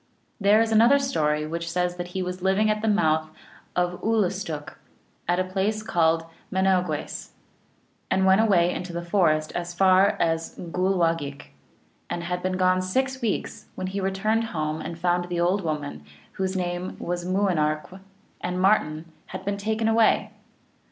There is another story which says that he was living at the mouth of the Oolostook, at a place called Menogwes (St. John, N. B.), and went away into the forest as far as Gool wahgik (Juan), and had been gone six weeks, when he returned home and found the old woman, whose name was Mooinarkw, 1 and Martin had been taken away.